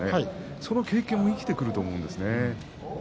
それも生きてくると思うんですね。